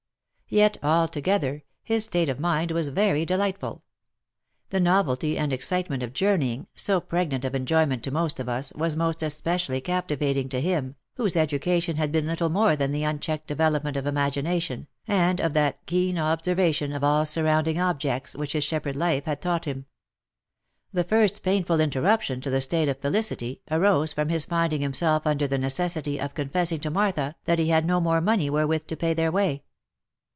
Yet, altogether, his state of mind was very delightful: the novelty and excitement of jour neying, so pregnant of enjoyment to most of us, was most especially captivating to him, whose education had been little more than the unchecked development of imagination, and of that keen observation of all surrounding objects which his shepherd life had taught him. The first painful interruption to the state of felicity, arose from his finding himself under the necessity of confessing to Martha that he had no more money wherewith to pay their way.